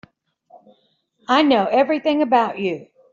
I know everything about you.